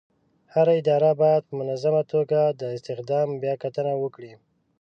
هره اداره باید په منظمه توګه د استخدام بیاکتنه وکړي.